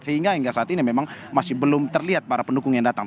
sehingga hingga saat ini memang masih belum terlihat para pendukung yang datang